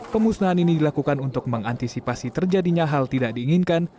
pemusnahan ini dilakukan untuk mengantisipasi terjadinya hal tidak diinginkan